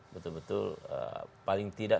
betul betul paling tidak